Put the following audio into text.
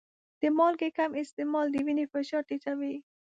د مالګې کم استعمال د وینې فشار ټیټوي.